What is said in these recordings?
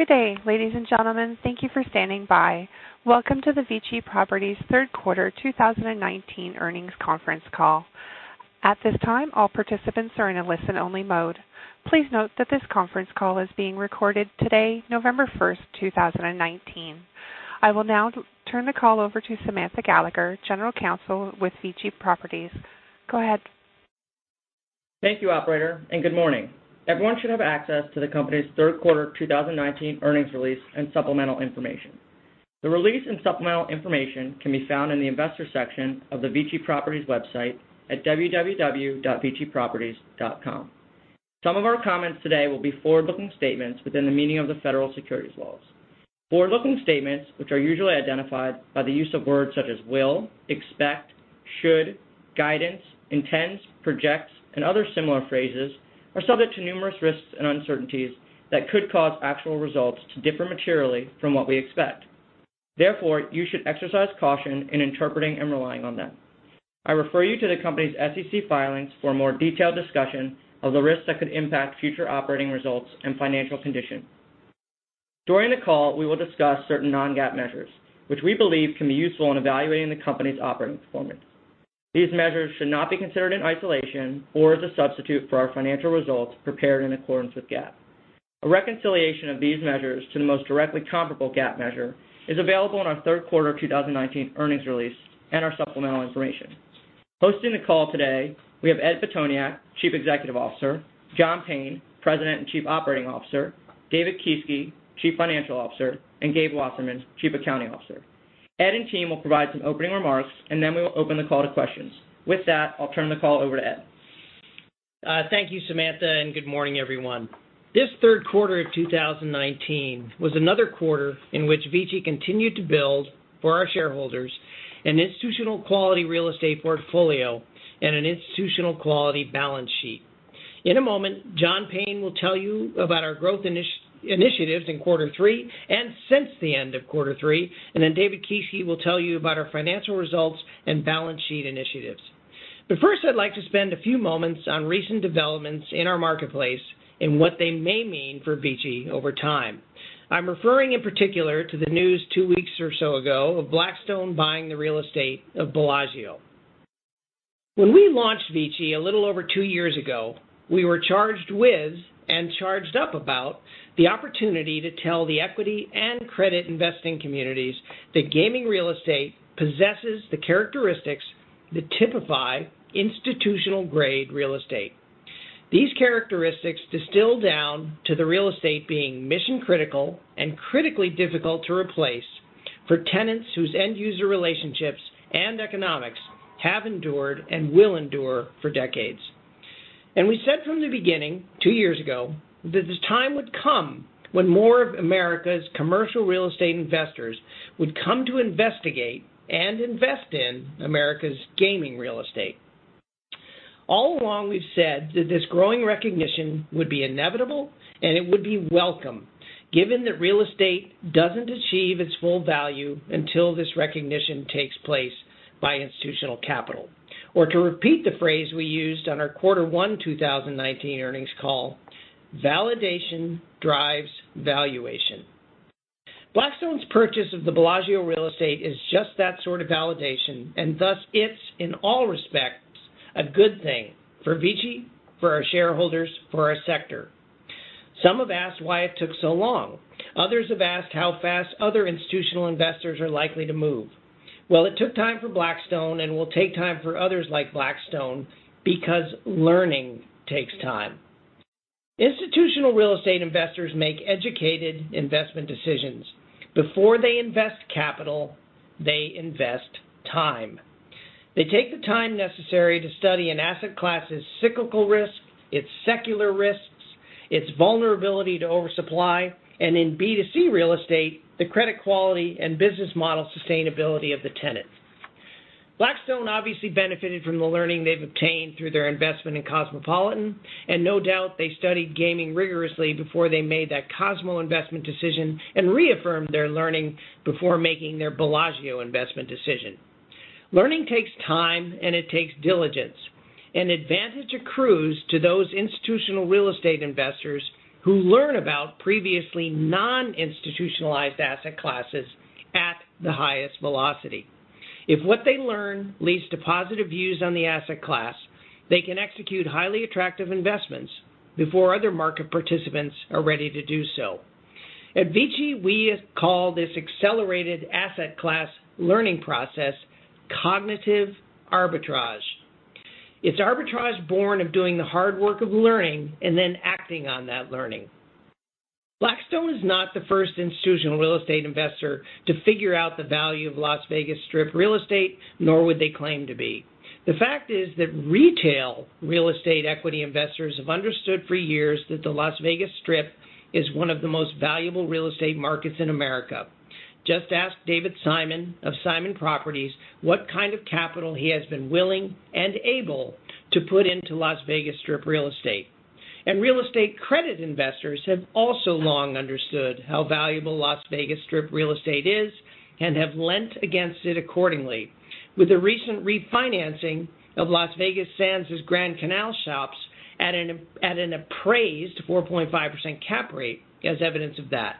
Good day, ladies and gentlemen. Thank you for standing by. Welcome to the VICI Properties third quarter 2019 earnings conference call. At this time, all participants are in a listen-only mode. Please note that this conference call is being recorded today, November 1st, 2019. I will now turn the call over to Samantha Gallagher, General Counsel with VICI Properties. Go ahead. Thank you, operator. Good morning. Everyone should have access to the company's third quarter 2019 earnings release and supplemental information. The release and supplemental information can be found in the Investors section of the VICI Properties website at www.viciproperties.com. Some of our comments today will be forward-looking statements within the meaning of the federal securities laws. Forward-looking statements, which are usually identified by the use of words such as "will," "expect," "should," "guidance," "intends," "projects," and other similar phrases, are subject to numerous risks and uncertainties that could cause actual results to differ materially from what we expect. Therefore, you should exercise caution in interpreting and relying on them. I refer you to the company's SEC filings for a more detailed discussion of the risks that could impact future operating results and financial conditions. During the call, we will discuss certain non-GAAP measures, which we believe can be useful in evaluating the company's operating performance. These measures should not be considered in isolation or as a substitute for our financial results prepared in accordance with GAAP. A reconciliation of these measures to the most directly comparable GAAP measure is available in our third quarter 2019 earnings release and our supplemental information. Hosting the call today, we have Edward Pitoniak, Chief Executive Officer, John Payne, President and Chief Operating Officer, David Kieske, Chief Financial Officer, and Gabriel Wasserman, Chief Accounting Officer. Ed and team will provide some opening remarks, and then we will open the call to questions. With that, I'll turn the call over to Ed. Thank you, Samantha, and good morning, everyone. This third quarter of 2019 was another quarter in which VICI continued to build for our shareholders an institutional quality real estate portfolio and an institutional quality balance sheet. In a moment, John Payne will tell you about our growth initiatives in quarter three and since the end of quarter three, and then David Kieske will tell you about our financial results and balance sheet initiatives. First, I'd like to spend a few moments on recent developments in our marketplace and what they may mean for VICI over time. I'm referring in particular to the news two weeks or so ago of Blackstone buying the real estate of Bellagio. When we launched VICI a little over two years ago, we were charged with and charged up about the opportunity to tell the equity and credit investing communities that gaming real estate possesses the characteristics that typify institutional-grade real estate. These characteristics distill down to the real estate being mission critical and critically difficult to replace for tenants whose end-user relationships and economics have endured and will endure for decades. We said from the beginning, two years ago, that the time would come when more of America's commercial real estate investors would come to investigate and invest in America's gaming real estate. All along, we've said that this growing recognition would be inevitable, and it would be welcome given that real estate doesn't achieve its full value until this recognition takes place by institutional capital. To repeat the phrase we used on our quarter one 2019 earnings call, validation drives valuation. Blackstone's purchase of the Bellagio real estate is just that sort of validation, and thus it's, in all respects, a good thing for VICI, for our shareholders, for our sector. Some have asked why it took so long. Others have asked how fast other institutional investors are likely to move. It took time for Blackstone and will take time for others like Blackstone because learning takes time. Institutional real estate investors make educated investment decisions. Before they invest capital, they invest time. They take the time necessary to study an asset class' cyclical risk, its secular risks, its vulnerability to oversupply, and in B2C real estate, the credit quality and business model sustainability of the tenant. Blackstone obviously benefited from the learning they've obtained through their investment in Cosmopolitan, and no doubt they studied gaming rigorously before they made that Cosmo investment decision and reaffirmed their learning before making their Bellagio investment decision. Learning takes time, and it takes diligence. An advantage accrues to those institutional real estate investors who learn about previously non-institutionalized asset classes at the highest velocity. If what they learn leads to positive views on the asset class, they can execute highly attractive investments before other market participants are ready to do so. At VICI, we call this accelerated asset class learning process cognitive arbitrage. It's arbitrage born of doing the hard work of learning and then acting on that learning. Blackstone is not the first institutional real estate investor to figure out the value of Las Vegas Strip real estate, nor would they claim to be. The fact is that retail real estate equity investors have understood for years that the Las Vegas Strip is one of the most valuable real estate markets in America. Just ask David Simon of Simon Property Group what kind of capital he has been willing and able to put into Las Vegas Strip real estate. Real estate credit investors have also long understood how valuable Las Vegas Strip real estate is and have lent against it accordingly. With the recent refinancing of Las Vegas Sands' Grand Canal Shoppes at an appraised 4.5% cap rate as evidence of that.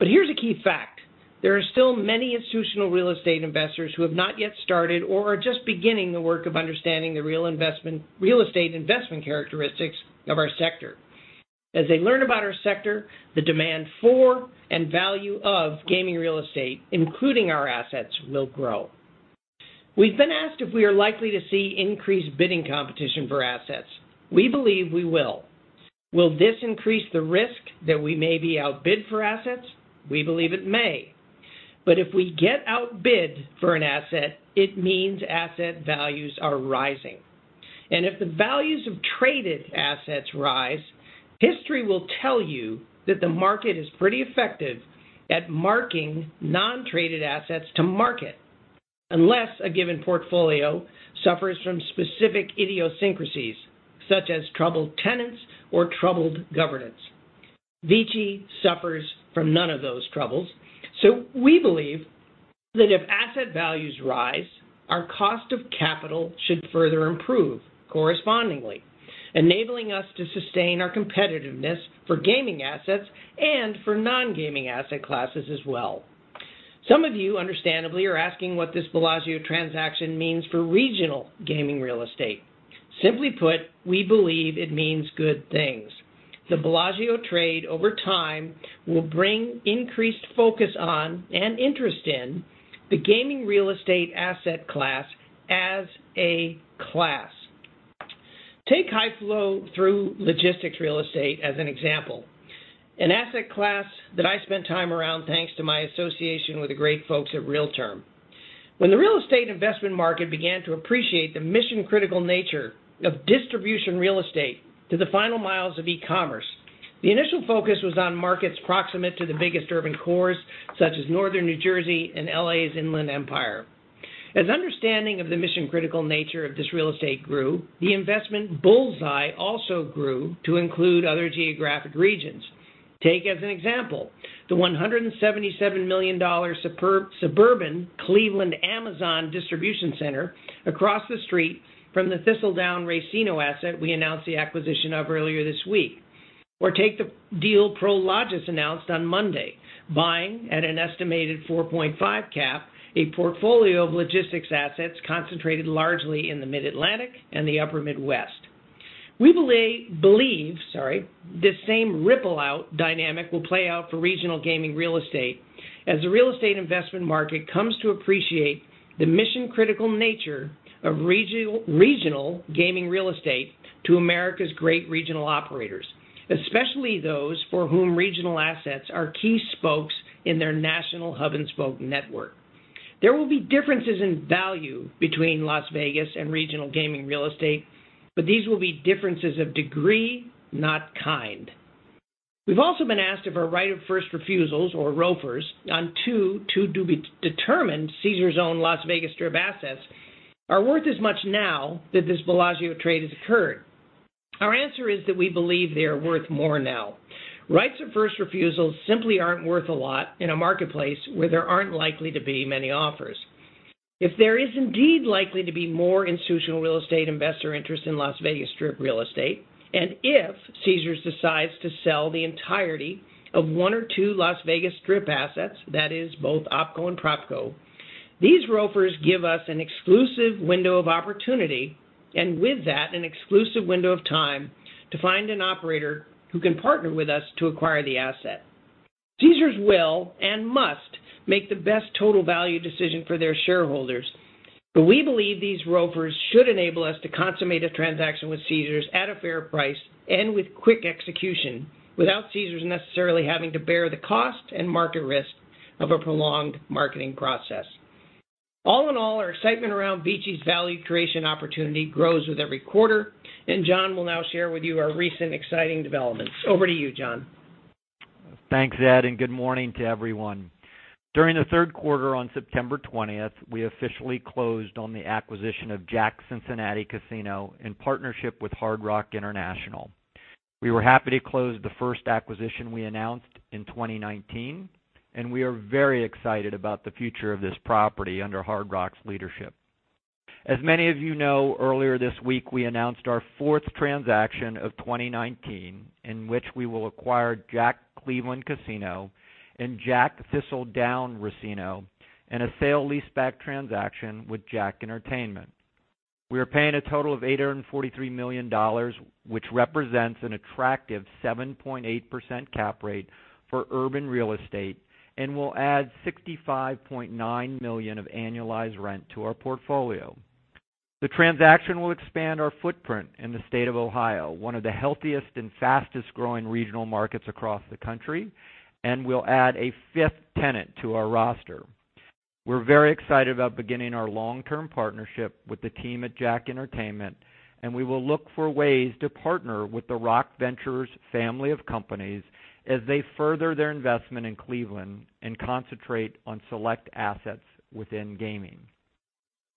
Here's a key fact: There are still many institutional real estate investors who have not yet started or are just beginning the work of understanding the real estate investment characteristics of our sector. As they learn about our sector, the demand for and value of gaming real estate, including our assets, will grow. We've been asked if we are likely to see increased bidding competition for assets. We believe we will. Will this increase the risk that we may be outbid for assets? We believe it may. If we get outbid for an asset, it means asset values are rising. If the values of traded assets rise, history will tell you that the market is pretty effective at marking non-traded assets to market, unless a given portfolio suffers from specific idiosyncrasies, such as troubled tenants or troubled governance. VICI suffers from none of those troubles, so we believe that if asset values rise, our cost of capital should further improve correspondingly, enabling us to sustain our competitiveness for gaming assets and for non-gaming asset classes as well. Some of you understandably are asking what this Bellagio transaction means for regional gaming real estate. Simply put, we believe it means good things. The Bellagio trade over time will bring increased focus on, and interest in, the gaming real estate asset class as a class. Take high flow through logistics real estate as an example, an asset class that I spent time around thanks to my association with the great folks at Realterm. When the real estate investment market began to appreciate the mission-critical nature of distribution real estate to the final miles of e-commerce, the initial focus was on markets proximate to the biggest urban cores, such as northern New Jersey and L.A.'s Inland Empire. As understanding of the mission-critical nature of this real estate grew, the investment bullseye also grew to include other geographic regions. Take as an example the $177 million suburban Cleveland Amazon distribution center across the street from the JACK Thistledown racino asset we announced the acquisition of earlier this week. Take the deal Prologis announced on Monday, buying at an estimated 4.5 cap a portfolio of logistics assets concentrated largely in the Mid-Atlantic and the upper Midwest. We believe this same ripple-out dynamic will play out for regional gaming real estate as the real estate investment market comes to appreciate the mission-critical nature of regional gaming real estate to America's great regional operators, especially those for whom regional assets are key spokes in their national hub-and-spoke network. There will be differences in value between Las Vegas and regional gaming real estate, but these will be differences of degree, not kind. We've also been asked if our right of first refusals, or ROFRs, on two to-be-determined Caesars-owned Las Vegas Strip assets are worth as much now that this Bellagio trade has occurred. Our answer is that we believe they are worth more now. Rights of first refusals simply aren't worth a lot in a marketplace where there aren't likely to be many offers. If there is indeed likely to be more institutional real estate investor interest in Las Vegas Strip real estate, and if Caesars decides to sell the entirety of one or two Las Vegas Strip assets, that is both OpCo and PropCo, these ROFRs give us an exclusive window of opportunity, and with that, an exclusive window of time to find an operator who can partner with us to acquire the asset. Caesars will and must make the best total value decision for their shareholders. We believe these ROFRs should enable us to consummate a transaction with Caesars at a fair price and with quick execution, without Caesars necessarily having to bear the cost and market risk of a prolonged marketing process. All in all, our excitement around VICI's value creation opportunity grows with every quarter, and John will now share with you our recent exciting developments. Over to you, John. Thanks, Ed. Good morning to everyone. During the third quarter on September 20th, we officially closed on the acquisition of JACK Cincinnati Casino in partnership with Hard Rock International. We were happy to close the first acquisition we announced in 2019, and we are very excited about the future of this property under Hard Rock's leadership. As many of you know, earlier this week, we announced our fourth transaction of 2019, in which we will acquire JACK Cleveland Casino and JACK Thistledown Racino in a sale leaseback transaction with JACK Entertainment. We are paying a total of $843 million, which represents an attractive 7.8% cap rate for urban real estate and will add $65.9 million of annualized rent to our portfolio. The transaction will expand our footprint in the state of Ohio, one of the healthiest and fastest-growing regional markets across the country, and will add a fifth tenant to our roster. We're very excited about beginning our long-term partnership with the team at JACK Entertainment, and we will look for ways to partner with the Rock Ventures family of companies as they further their investment in Cleveland and concentrate on select assets within gaming.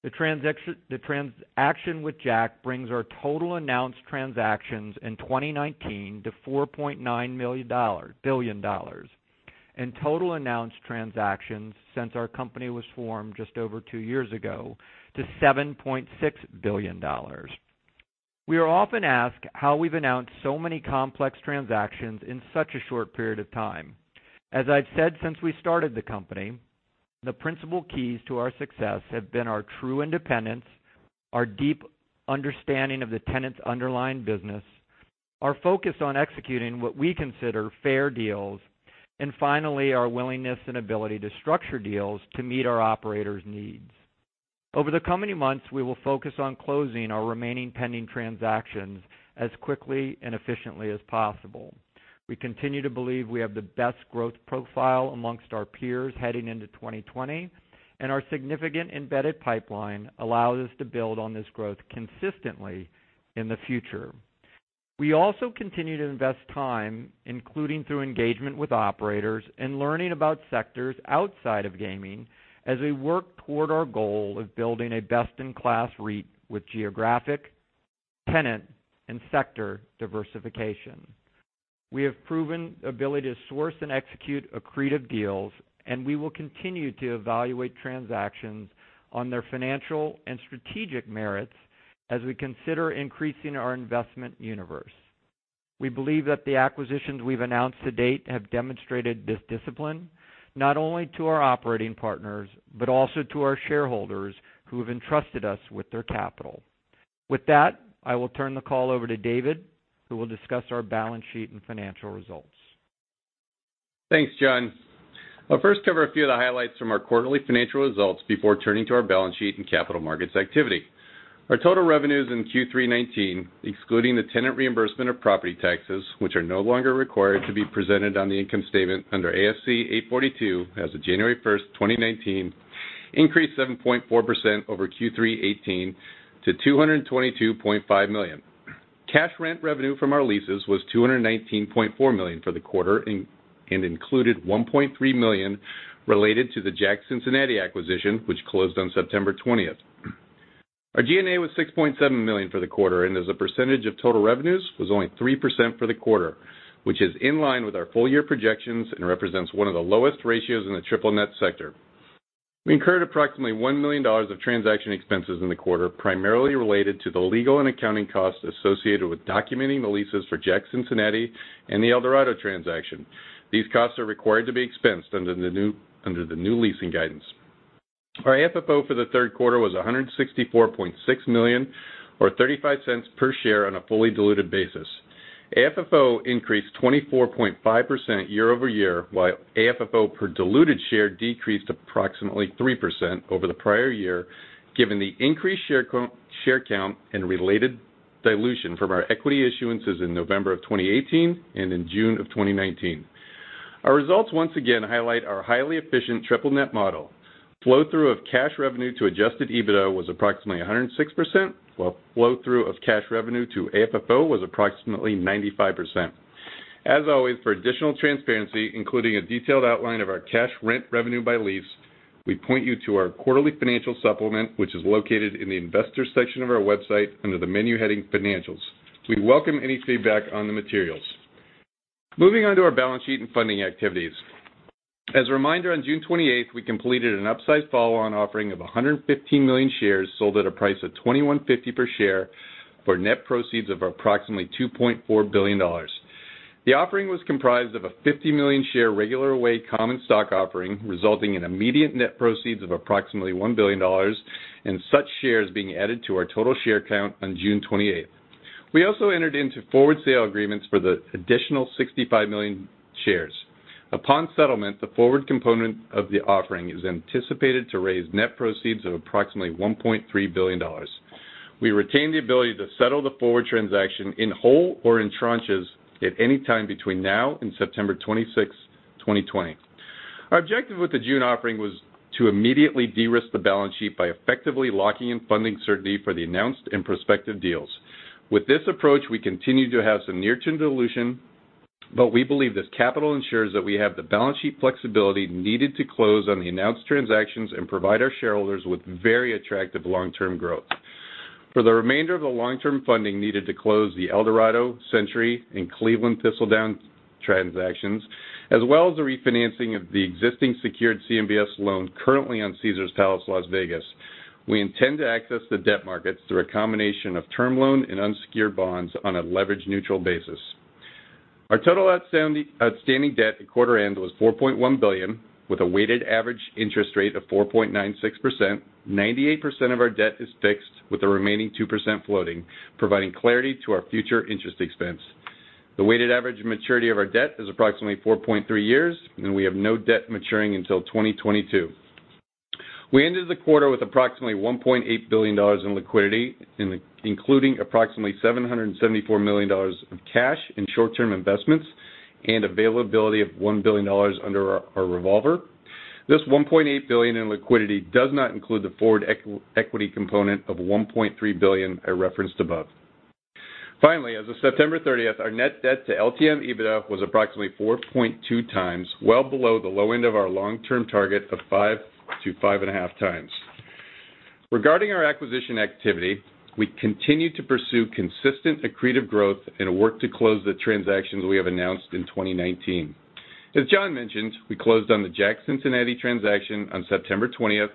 The transaction with JACK brings our total announced transactions in 2019 to $4.9 billion. Total announced transactions since our company was formed just over two years ago to $7.6 billion. We are often asked how we've announced so many complex transactions in such a short period of time. As I've said, since we started the company, the principal keys to our success have been our true independence, our deep understanding of the tenants' underlying business, our focus on executing what we consider fair deals, and finally, our willingness and ability to structure deals to meet our operators' needs. Over the coming months, we will focus on closing our remaining pending transactions as quickly and efficiently as possible. We continue to believe we have the best growth profile amongst our peers heading into 2020, and our significant embedded pipeline allows us to build on this growth consistently in the future. We also continue to invest time, including through engagement with operators and learning about sectors outside of gaming, as we work toward our goal of building a best-in-class REIT with geographic, tenant, and sector diversification. We have proven ability to source and execute accretive deals, and we will continue to evaluate transactions on their financial and strategic merits as we consider increasing our investment universe. We believe that the acquisitions we've announced to date have demonstrated this discipline, not only to our operating partners, but also to our shareholders, who have entrusted us with their capital. With that, I will turn the call over to David, who will discuss our balance sheet and financial results. Thanks, John. I'll first cover a few of the highlights from our quarterly financial results before turning to our balance sheet and capital markets activity. Our total revenues in Q3 2019, excluding the tenant reimbursement of property taxes, which are no longer required to be presented on the income statement under ASC 842 as of January 1st, 2019, increased 7.4% over Q3 2018 to $222.5 million. Cash rent revenue from our leases was $219.4 million for the quarter and included $1.3 million related to the JACK Cincinnati acquisition, which closed on September 20th. Our G&A was $6.7 million for the quarter, and as a percentage of total revenues, was only 3% for the quarter, which is in line with our full-year projections and represents one of the lowest ratios in the triple net sector. We incurred approximately $1 million of transaction expenses in the quarter, primarily related to the legal and accounting costs associated with documenting the leases for JACK Cincinnati and the Eldorado transaction. These costs are required to be expensed under the new leasing guidance. Our AFFO for the third quarter was $164.6 million, or $0.35 per share on a fully diluted basis. AFFO increased 24.5% year-over-year, while AFFO per diluted share decreased approximately 3% over the prior year, given the increased share count and related dilution from our equity issuances in November of 2018 and in June of 2019. Our results once again highlight our highly efficient triple net model. Flow-through of cash revenue to adjusted EBITDA was approximately 106%, while flow-through of cash revenue to AFFO was approximately 95%. As always, for additional transparency, including a detailed outline of our cash rent revenue by lease, we point you to our quarterly financial supplement, which is located in the Investors section of our website under the menu heading Financials. We welcome any feedback on the materials. Moving on to our balance sheet and funding activities. As a reminder, on June 28th, we completed an upsized follow-on offering of 115 million shares sold at a price of $21.50 per share for net proceeds of approximately $2.4 billion. The offering was comprised of a 50-million-share regular way common stock offering, resulting in immediate net proceeds of approximately $1 billion and such shares being added to our total share count on June 28th. We also entered into forward sale agreements for the additional 65 million shares. Upon settlement, the forward component of the offering is anticipated to raise net proceeds of approximately $1.3 billion. We retain the ability to settle the forward transaction in whole or in tranches at any time between now and September 26th, 2020. Our objective with the June offering was to immediately de-risk the balance sheet by effectively locking in funding certainty for the announced and prospective deals. With this approach, we continue to have some near-term dilution, but we believe this capital ensures that we have the balance sheet flexibility needed to close on the announced transactions and provide our shareholders with very attractive long-term growth. For the remainder of the long-term funding needed to close the Eldorado, Century, and Cleveland Thistledown transactions, as well as the refinancing of the existing secured CMBS loan currently on Caesars Palace, Las Vegas, we intend to access the debt markets through a combination of term loan and unsecured bonds on a leverage neutral basis. Our total outstanding debt at quarter end was $4.1 billion, with a weighted average interest rate of 4.96%. 98% of our debt is fixed, with the remaining 2% floating, providing clarity to our future interest expense. The weighted average maturity of our debt is approximately 4.3 years, and we have no debt maturing until 2022. We ended the quarter with approximately $1.8 billion in liquidity, including approximately $774 million of cash and short-term investments and availability of $1 billion under our revolver. This $1.8 billion in liquidity does not include the forward equity component of $1.3 billion I referenced above. As of September 30th, our net debt to LTM EBITDA was approximately 4.2 times, well below the low end of our long-term target of 5 to 5.5 times. Regarding our acquisition activity, we continue to pursue consistent accretive growth and work to close the transactions we have announced in 2019. As John mentioned, we closed on the JACK Cincinnati transaction on September 20th,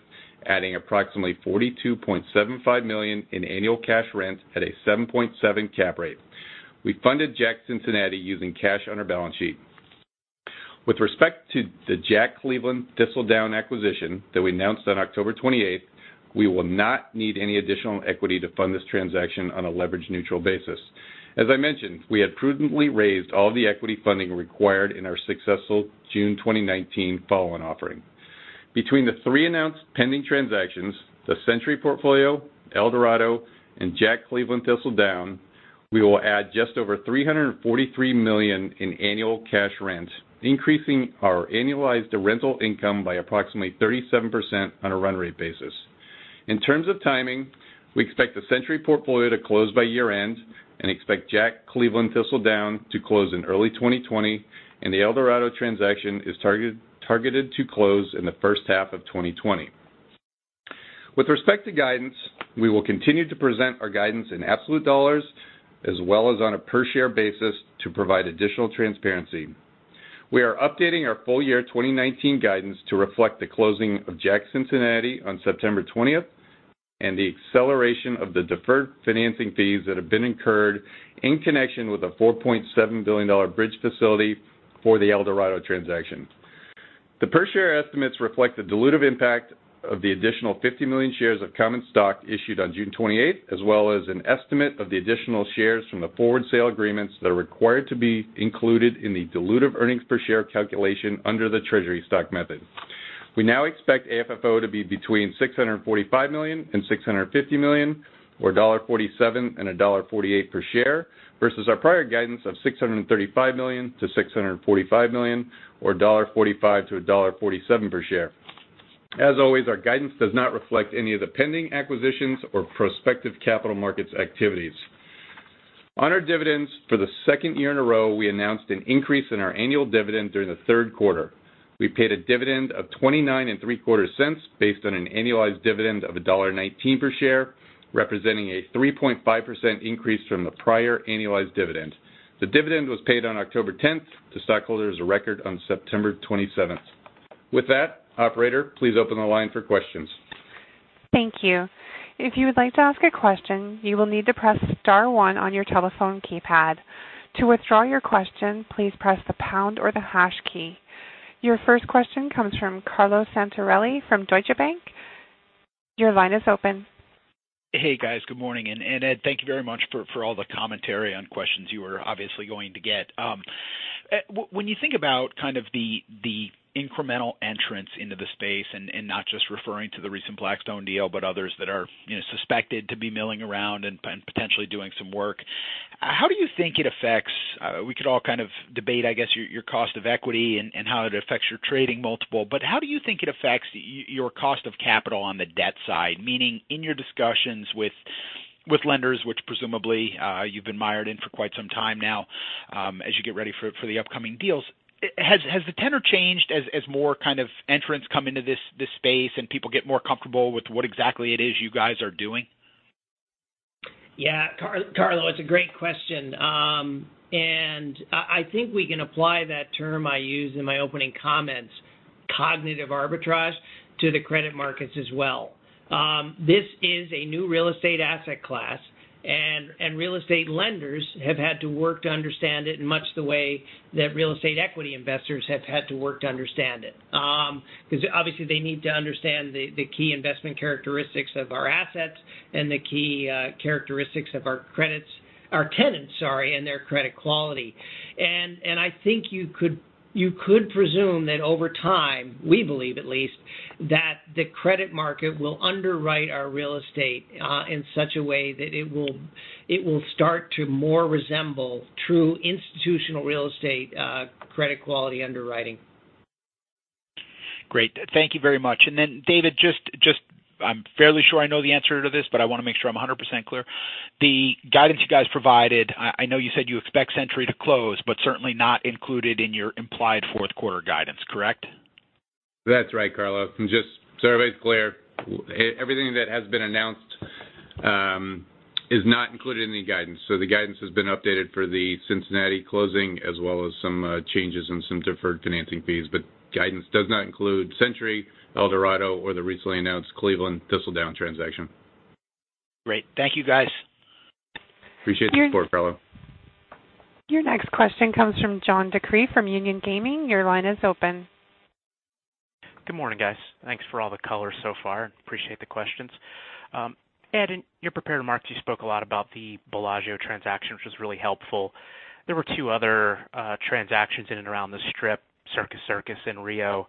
adding approximately $42.75 million in annual cash rent at a 7.7 cap rate. We funded JACK Cincinnati using cash on our balance sheet. With respect to the JACK Cleveland Thistledown acquisition that we announced on October 28th, we will not need any additional equity to fund this transaction on a leverage-neutral basis. As I mentioned, we had prudently raised all the equity funding required in our successful June 2019 follow-on offering. Between the three announced pending transactions, the Century portfolio, Eldorado, and JACK Cleveland Thistledown, we will add just over $343 million in annual cash rent, increasing our annualized rental income by approximately 37% on a run rate basis. In terms of timing, we expect the Century portfolio to close by year-end and expect JACK Cleveland Thistledown to close in early 2020. The Eldorado transaction is targeted to close in the first half of 2020. With respect to guidance, we will continue to present our guidance in absolute dollars as well as on a per-share basis to provide additional transparency. We are updating our full year 2019 guidance to reflect the closing of JACK Cincinnati on September 20th, and the acceleration of the deferred financing fees that have been incurred in connection with a $4.7 billion bridge facility for the Eldorado transaction. The per-share estimates reflect the dilutive impact of the additional 50 million shares of common stock issued on June 28th, as well as an estimate of the additional shares from the forward sale agreements that are required to be included in the dilutive earnings per share calculation under the treasury stock method. We now expect AFFO to be between $645 million and $650 million, or $1.47 and $1.48 per share, versus our prior guidance of $635 million to $645 million, or $1.45 to $1.47 per share. As always, our guidance does not reflect any of the pending acquisitions or prospective capital markets activities. On our dividends, for the second year in a row, we announced an increase in our annual dividend during the third quarter. We paid a dividend of $0.2975 based on an annualized dividend of $1.19 per share, representing a 3.5% increase from the prior annualized dividend. The dividend was paid on October 10th to stockholders of record on September 27th. With that, operator, please open the line for questions. Thank you. If you would like to ask a question, you will need to press star one on your telephone keypad. To withdraw your question, please press the pound or the hash key. Your first question comes from Carlo Santarelli from Deutsche Bank. Your line is open. Hey, guys. Good morning. Ed, thank you very much for all the commentary on questions you are obviously going to get. When you think about kind of the incremental entrants into the space, and not just referring to the recent Blackstone deal, but others that are suspected to be milling around and potentially doing some work. How do you think it affects We could all kind of debate, I guess, your cost of equity and how it affects your trading multiple, but how do you think it affects your cost of capital on the debt side? Meaning in your discussions with lenders, which presumably, you've been mired in for quite some time now as you get ready for the upcoming deals. Has the tenor changed as more kind of entrants come into this space and people get more comfortable with what exactly it is you guys are doing? Yeah. Carlo, it's a great question. I think we can apply that term I used in my opening comments, cognitive arbitrage, to the credit markets as well. This is a new real estate asset class, and real estate lenders have had to work to understand it in much the way that real estate equity investors have had to work to understand it. Obviously they need to understand the key investment characteristics of our assets and the key characteristics of our credits, our tenants, sorry, and their credit quality. I think you could presume that over time, we believe at least, that the credit market will underwrite our real estate in such a way that it will start to more resemble true institutional real estate credit quality underwriting. Great. Thank you very much. David, I'm fairly sure I know the answer to this, but I want to make sure I'm 100% clear. The guidance you guys provided, I know you said you expect Century to close, but certainly not included in your implied fourth quarter guidance, correct? That's right, Carlo. Just so everybody's clear, everything that has been announced is not included in the guidance. The guidance has been updated for the Cincinnati closing as well as some changes in some deferred financing fees. Guidance does not include Century, Eldorado, or the recently announced Cleveland Thistledown transaction. Great. Thank you, guys. Appreciate the support, Carlo. Your next question comes from John DeCree from Union Gaming. Your line is open. Good morning, guys. Thanks for all the color so far. Appreciate the questions. Ed, in your prepared remarks, you spoke a lot about the Bellagio transaction, which was really helpful. There were two other transactions in and around the Strip, Circus Circus and Rio.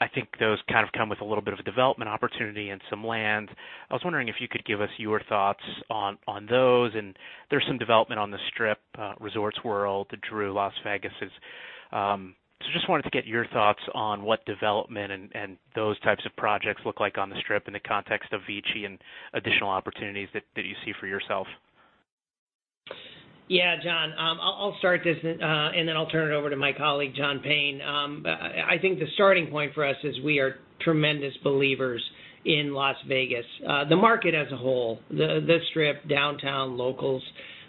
I think those kind of come with a little bit of a development opportunity and some land. I was wondering if you could give us your thoughts on those. There's some development on the Strip, Resorts World, the Drew Las Vegas. Just wanted to get your thoughts on what development and those types of projects look like on the Strip in the context of VICI and additional opportunities that you see for yourself. Yeah, John, I'll start this and then I'll turn it over to my colleague, John Payne. I think the starting point for us is we are tremendous believers in Las Vegas, the market as a whole, the Strip, Downtown, locals.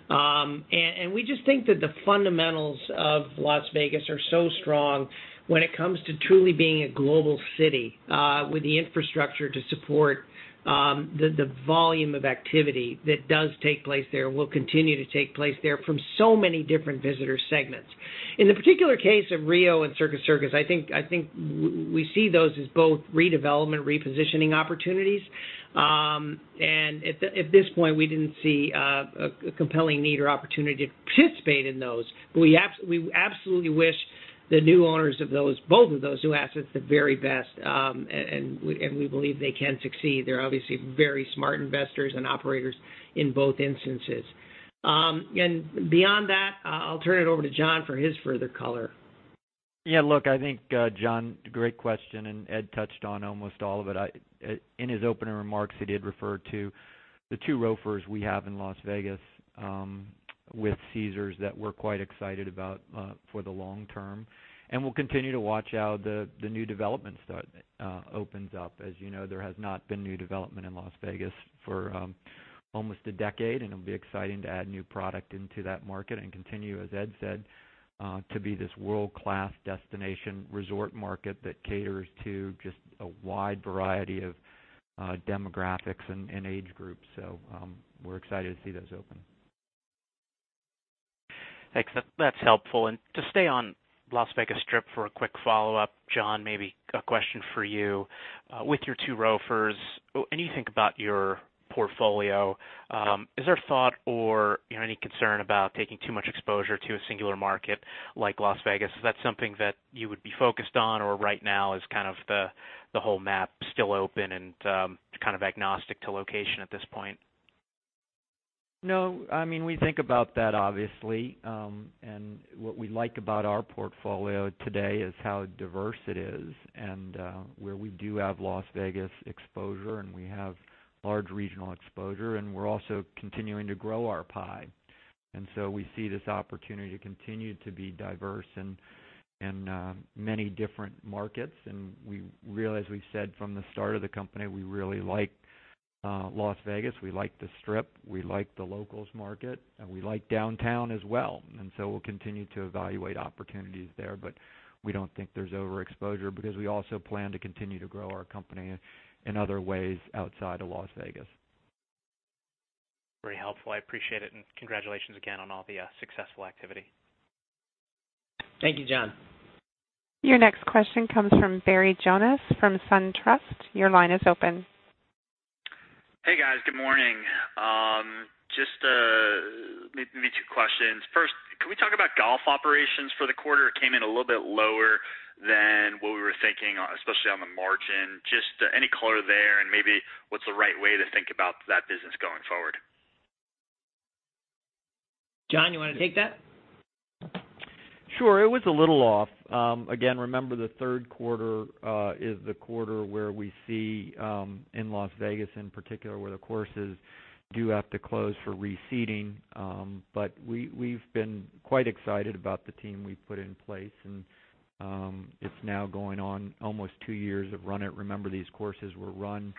We just think that the fundamentals of Las Vegas are so strong when it comes to truly being a global city with the infrastructure to support the volume of activity that does take place there and will continue to take place there from so many different visitor segments. In the particular case of Rio and Circus Circus, I think we see those as both redevelopment, repositioning opportunities. At this point, we didn't see a compelling need or opportunity to participate in those. We absolutely wish the new owners of both of those new assets the very best, and we believe they can succeed. They're obviously very smart investors and operators in both instances. Beyond that, I'll turn it over to John for his further color. Yeah, look, I think, John, great question. Ed touched on almost all of it. In his opening remarks, he did refer to the two ROFRs we have in Las Vegas with Caesars that we're quite excited about for the long term. We'll continue to watch how the new developments open up. As you know, there has not been new development in Las Vegas for almost a decade. It'll be exciting to add new product into that market and continue, as Ed said, to be this world-class destination resort market that caters to just a wide variety of demographics and age groups. We're excited to see those open. Thanks. That's helpful. To stay on Las Vegas Strip for a quick follow-up, John, maybe a question for you. With your two ROFRs, anything about your portfolio, is there a thought or any concern about taking too much exposure to a singular market like Las Vegas? Is that something that you would be focused on or right now is kind of the whole map still open and kind of agnostic to location at this point? No. We think about that, obviously, and what we like about our portfolio today is how diverse it is and where we do have Las Vegas exposure, and we have large regional exposure, and we're also continuing to grow our pie. We see this opportunity to continue to be diverse in many different markets. We realize, we've said from the start of the company, we really like Las Vegas. We like the Strip, we like the locals market, and we like downtown as well. We'll continue to evaluate opportunities there, but we don't think there's overexposure because we also plan to continue to grow our company in other ways outside of Las Vegas. Very helpful. I appreciate it. Congratulations again on all the successful activity. Thank you, John. Your next question comes from Barry Jonas from SunTrust. Your line is open. Hey, guys. Good morning. Just maybe two questions. First, can we talk about golf operations for the quarter? It came in a little bit lower than what we were thinking, especially on the margin. Just any color there, and maybe what's the right way to think about that business going forward? John, you want to take that? Sure. It was a little off. Remember the third quarter is the quarter where we see, in Las Vegas in particular, where the courses do have to close for reseeding. We've been quite excited about the team we've put in place, and it's now going on almost two years of run it. Remember, these courses were run,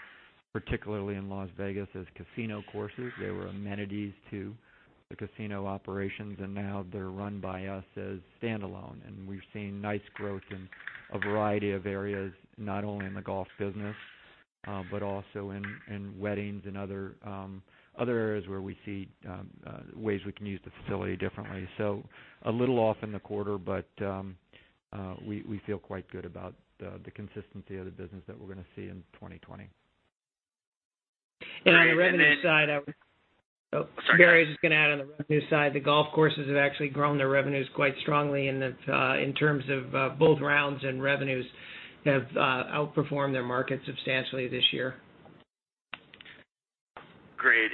particularly in Las Vegas, as casino courses. They were amenities to the casino operations, and now they're run by us as standalone. We've seen nice growth in a variety of areas, not only in the golf business, but also in weddings and other areas where we see ways we can use the facility differently. A little off in the quarter, but we feel quite good about the consistency of the business that we're going to see in 2020. Barry, I was just going to add on the revenue side, the golf courses have actually grown their revenues quite strongly in terms of both rounds and revenues have outperformed their market substantially this year. Great.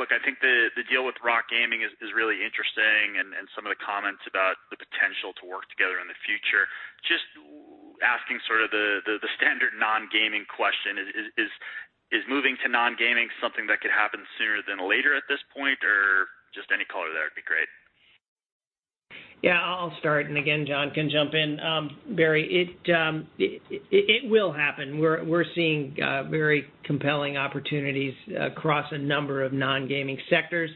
Look, I think the deal with JACK Entertainment is really interesting and some of the comments about the potential to work together in the future. Asking sort of the standard non-gaming question is moving to non-gaming something that could happen sooner than later at this point, or any color there would be great. Yeah, I'll start and again, John can jump in. Barry, it will happen. We're seeing very compelling opportunities across a number of non-gaming sectors.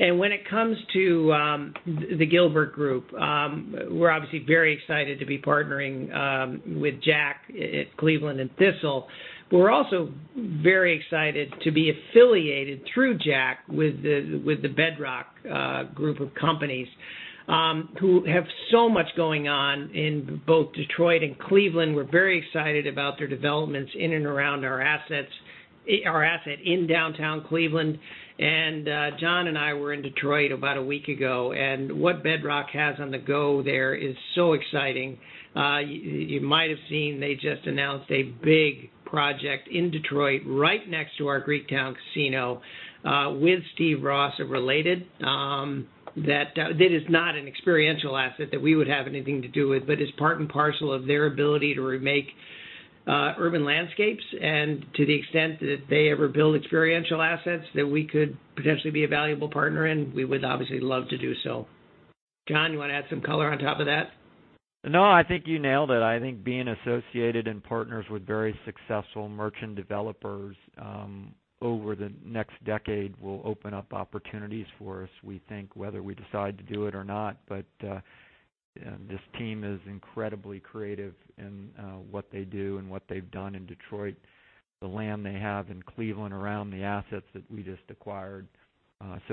When it comes to the Gilbert group, we're obviously very excited to be partnering with JACK at Cleveland and Thistle, but we're also very excited to be affiliated through JACK with the Bedrock group of companies, who have so much going on in both Detroit and Cleveland. John and I were in Detroit about a week ago, and what Bedrock has on the go there is so exciting. You might have seen, they just announced a big project in Detroit right next to our Greektown Casino, with Steve Ross of Related. That is not an experiential asset that we would have anything to do with, but is part and parcel of their ability to remake urban landscapes. To the extent that if they ever build experiential assets that we could potentially be a valuable partner in, we would obviously love to do so. John, you want to add some color on top of that? No, I think you nailed it. I think being associated and partners with very successful merchant developers, over the next decade will open up opportunities for us, we think, whether we decide to do it or not. This team is incredibly creative in what they do and what they've done in Detroit, the land they have in Cleveland around the assets that we just acquired.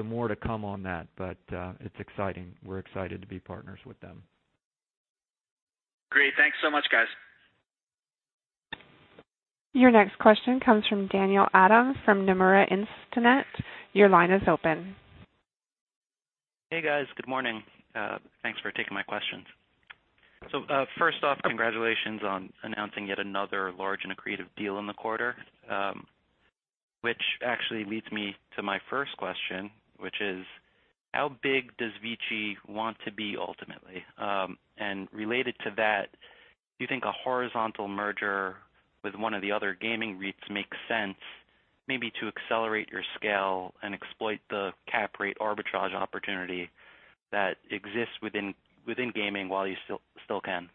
More to come on that, but it's exciting. We're excited to be partners with them. Great. Thanks so much, guys. Your next question comes from Daniel Adams from Nomura Instinet. Your line is open. Hey, guys. Good morning. Thanks for taking my questions. First off, congratulations on announcing yet another large and accretive deal in the quarter, which actually leads me to my first question, which is, how big does VICI want to be ultimately? Related to that, do you think a horizontal merger with one of the other gaming REITs makes sense, maybe to accelerate your scale and exploit the cap rate arbitrage opportunity that exists within gaming while you still can?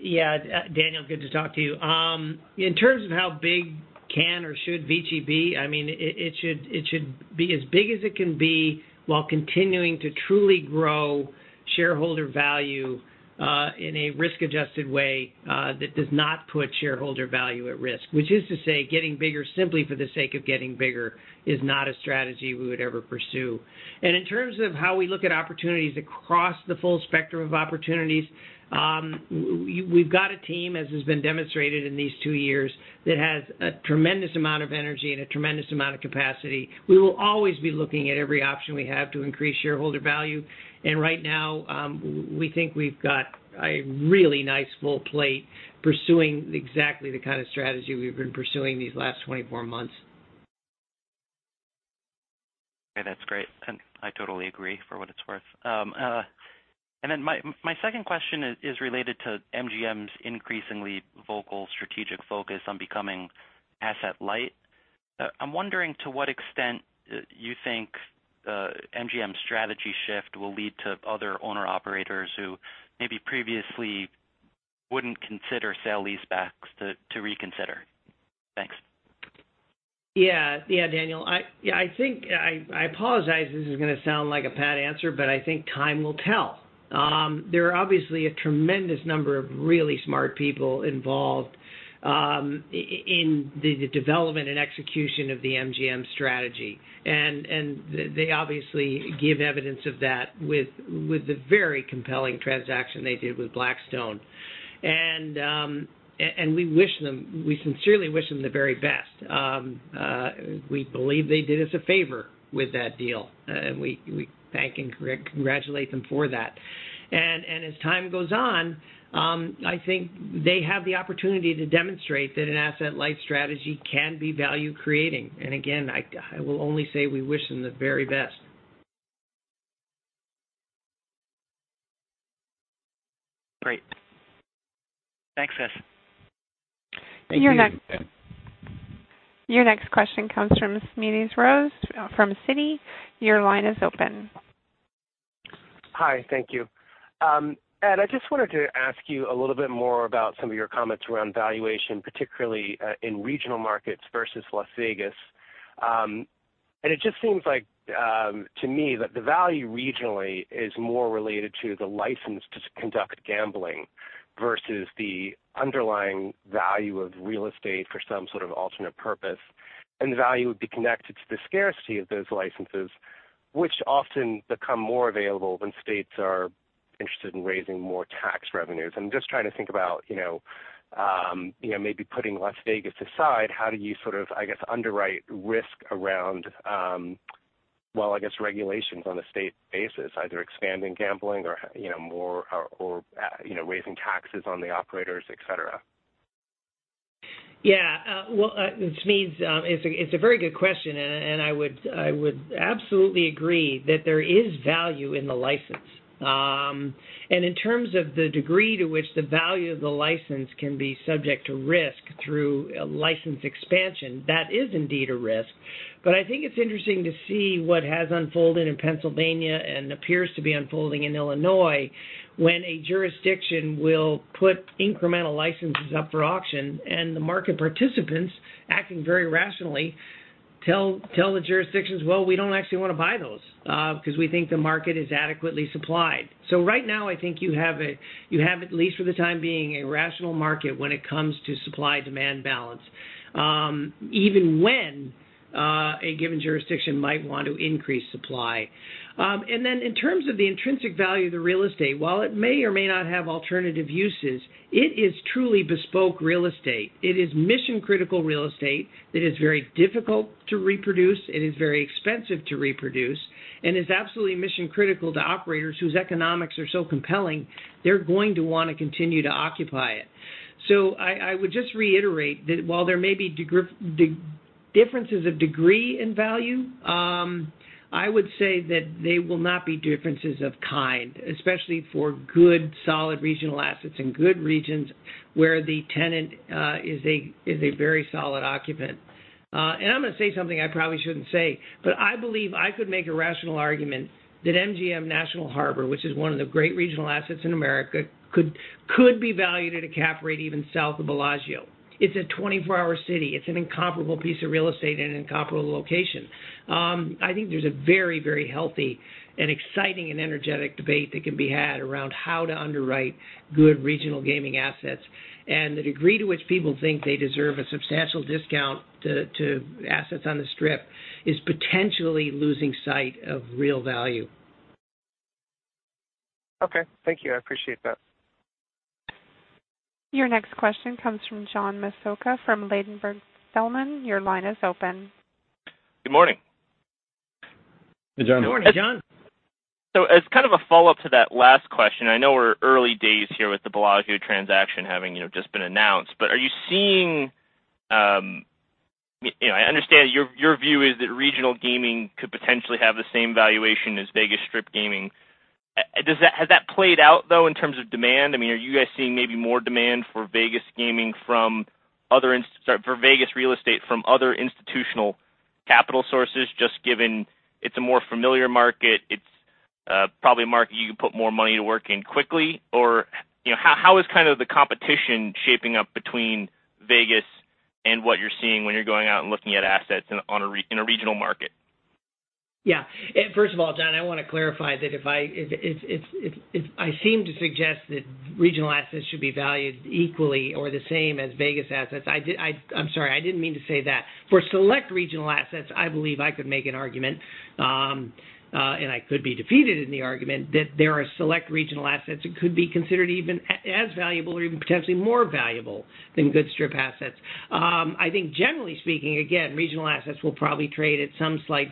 Yeah. Daniel, good to talk to you. In terms of how big can or should VICI be, it should be as big as it can be while continuing to truly grow shareholder value, in a risk-adjusted way, that does not put shareholder value at risk. Which is to say, getting bigger simply for the sake of getting bigger is not a strategy we would ever pursue. In terms of how we look at opportunities across the full spectrum of opportunities, we've got a team, as has been demonstrated in these two years, that has a tremendous amount of energy and a tremendous amount of capacity. We will always be looking at every option we have to increase shareholder value. Right now, we think we've got a really nice full plate pursuing exactly the kind of strategy we've been pursuing these last 24 months. Okay, that's great. I totally agree, for what it's worth. My second question is related to MGM's increasingly vocal strategic focus on becoming asset light. I'm wondering to what extent you think MGM's strategy shift will lead to other owner-operators who maybe previously wouldn't consider sale-leasebacks to reconsider. Thanks. Daniel, I apologize this is going to sound like a pat answer, but I think time will tell. There are obviously a tremendous number of really smart people involved in the development and execution of the MGM strategy. They obviously give evidence of that with the very compelling transaction they did with Blackstone. We sincerely wish them the very best. We believe they did us a favor with that deal, and we thank and congratulate them for that. As time goes on, I think they have the opportunity to demonstrate that an asset-light strategy can be value-creating. Again, I will only say we wish them the very best. Great. Thanks, guys. Thank you. Your next question comes from Smedes Rose from Citi. Your line is open. Hi. Thank you. Ed, I just wanted to ask you a little bit more about some of your comments around valuation, particularly in regional markets versus Las Vegas. It just seems like, to me, that the value regionally is more related to the license to conduct gambling versus the underlying value of real estate for some sort of alternate purpose. The value would be connected to the scarcity of those licenses, which often become more available when states are interested in raising more tax revenues. I'm just trying to think about, maybe putting Las Vegas aside, how do you, I guess, underwrite risk around, well, I guess, regulations on a state basis, either expanding gambling or raising taxes on the operators, et cetera? Yeah. Well, Smedes, it's a very good question. I would absolutely agree that there is value in the license. In terms of the degree to which the value of the license can be subject to risk through license expansion, that is indeed a risk. I think it's interesting to see what has unfolded in Pennsylvania and appears to be unfolding in Illinois when a jurisdiction will put incremental licenses up for auction and the market participants, acting very rationally, tell the jurisdictions, "Well, we don't actually want to buy those, because we think the market is adequately supplied." Right now, I think you have, at least for the time being, a rational market when it comes to supply-demand balance, even when a given jurisdiction might want to increase supply. Then in terms of the intrinsic value of the real estate, while it may or may not have alternative uses, it is truly bespoke real estate. It is mission-critical real estate that is very difficult to reproduce, it is very expensive to reproduce, and is absolutely mission-critical to operators whose economics are so compelling, they're going to want to continue to occupy it. I would just reiterate that while there may be differences of degree and value, I would say that they will not be differences of kind, especially for good, solid regional assets in good regions where the tenant is a very solid occupant. I'm going to say something I probably shouldn't say, but I believe I could make a rational argument that MGM National Harbor, which is one of the great regional assets in America, could be valued at a cap rate even south of Bellagio. It's a 24-hour city. It's an incomparable piece of real estate and an incomparable location. I think there's a very healthy and exciting and energetic debate that can be had around how to underwrite good regional gaming assets. The degree to which people think they deserve a substantial discount to assets on the Strip is potentially losing sight of real value. Okay. Thank you. I appreciate that. Your next question comes from John Mascola from Ladenburg Thalmann. Your line is open. Good morning. Good morning, John. As kind of a follow-up to that last question, I know we're early days here with the Bellagio transaction having just been announced. Are you seeing I understand your view is that regional gaming could potentially have the same valuation as Vegas Strip gaming. Has that played out, though, in terms of demand? Are you guys seeing maybe more demand for Vegas real estate from other institutional capital sources, just given it's a more familiar market, it's probably a market you can put more money to work in quickly? How is the competition shaping up between Vegas and what you're seeing when you're going out and looking at assets in a regional market? First of all, John, I want to clarify that if I seem to suggest that regional assets should be valued equally or the same as Vegas assets, I'm sorry, I didn't mean to say that. For select regional assets, I believe I could make an argument, and I could be defeated in the argument, that there are select regional assets that could be considered even as valuable or even potentially more valuable than good Strip assets. I think generally speaking, again, regional assets will probably trade at some slight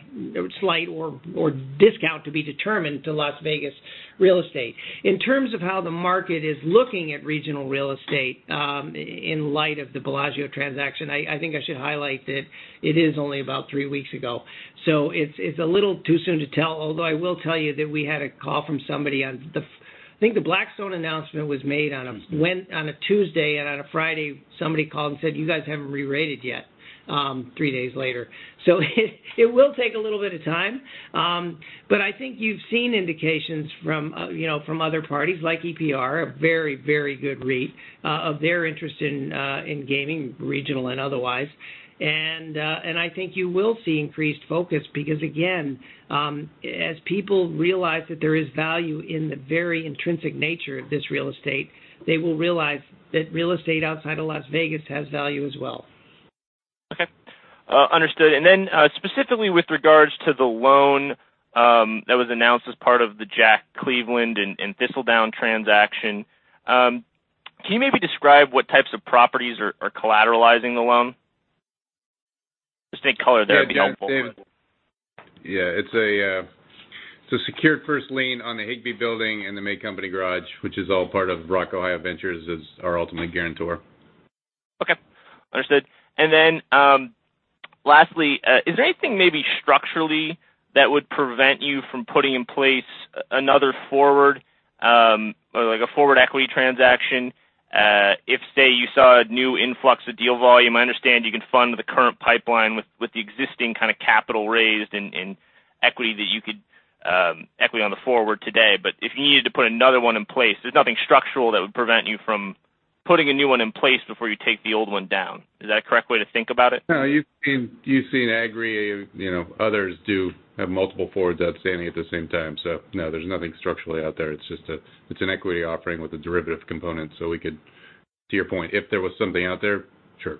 or discount to be determined to Las Vegas real estate. In terms of how the market is looking at regional real estate, in light of the Bellagio transaction, I think I should highlight that it is only about three weeks ago. It's a little too soon to tell. Although, I will tell you that we had a call from somebody on the I think the Blackstone announcement was made on a Tuesday, and on a Friday, somebody called and said, "You guys haven't re-rated yet," three days later. It will take a little bit of time. I think you've seen indications from other parties like EPR, a very good REIT, of their interest in gaming, regional and otherwise. I think you will see increased focus because, again, as people realize that there is value in the very intrinsic nature of this real estate, they will realize that real estate outside of Las Vegas has value as well. Okay. Understood. Specifically with regards to the loan, that was announced as part of the JACK Cleveland and Thistledown transaction, can you maybe describe what types of properties are collateralizing the loan? Just any color there would be helpful. Yeah, it's a secured first lien on the Higbee Building and the JACK Cleveland Casino North Garage, which is all part of Rock Ohio Ventures, is our ultimate guarantor. Okay. Understood. Lastly, is there anything maybe structurally that would prevent you from putting in place another forward equity transaction, if, say, you saw a new influx of deal volume? I understand you can fund the current pipeline with the existing capital raised and equity on the forward today. If you needed to put another one in place, there's nothing structural that would prevent you from putting a new one in place before you take the old one down. Is that a correct way to think about it? You've seen Agree, others do have multiple forwards outstanding at the same time. There's nothing structurally out there. It's an equity offering with a derivative component. We could, to your point, if there was something out there, sure.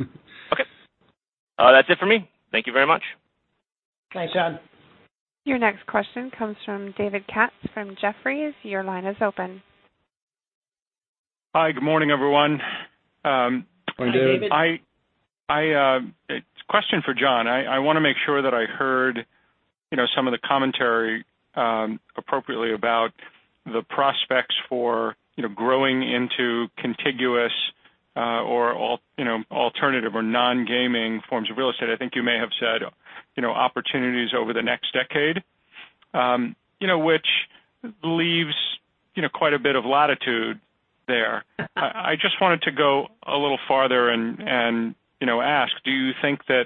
Okay. That's it for me. Thank you very much. Thanks, John. Your next question comes from David Katz from Jefferies. Your line is open. Hi, good morning, everyone. Hi, David. Question for John. I want to make sure that I heard some of the commentary appropriately about the prospects for growing into contiguous or alternative or non-gaming forms of real estate. I think you may have said, opportunities over the next decade, which leaves quite a bit of latitude there. I just wanted to go a little farther and ask, do you think that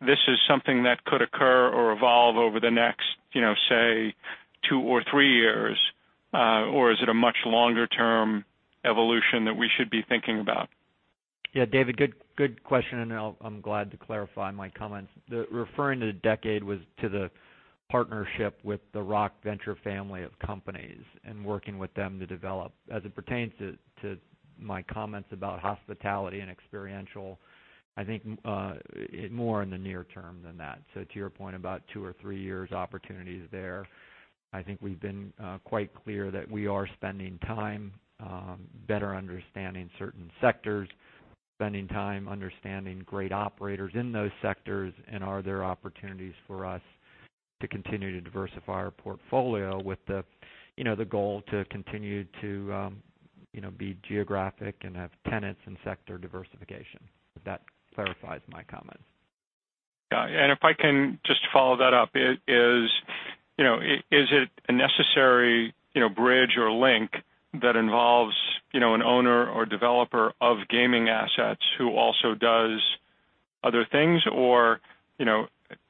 this is something that could occur or evolve over the next say, two or three years? Is it a much longer-term evolution that we should be thinking about? Yeah, David, good question. I'm glad to clarify my comments. Referring to the decade was to the partnership with the Rock Family of Companies and working with them to develop. It pertains to my comments about hospitality and experiential, I think, more in the near term than that. To your point about two or three years opportunities there. I think we've been quite clear that we are spending time better understanding certain sectors. Spending time understanding great operators in those sectors, and are there opportunities for us to continue to diversify our portfolio with the goal to continue to be geographic and have tenants and sector diversification. If that clarifies my comment. Yeah. If I can just follow that up. Is it a necessary bridge or link that involves an owner or developer of gaming assets who also does other things?